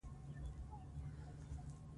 اوړي د افغانستان د طبیعي پدیدو یو رنګ دی.